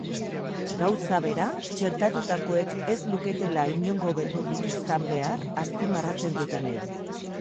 Gauza bera txertatutakoek ez luketela inongo beldurrik izan behar azpimarratzen dutenei.